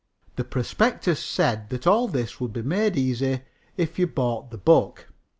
The prospectus said that all this would be easy if you bought the book.